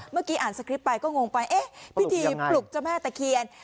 เมื่อกี้อ่านสคริปต์ไปก็งงไปเอ๊ะพิธีปลุกเจ้าแม่ตะเคียน